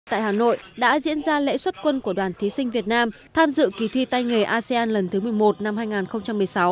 tại hà nội đã diễn ra lễ xuất quân của đoàn thí sinh việt nam tham dự kỳ thi tay nghề asean lần thứ một mươi một năm hai nghìn một mươi sáu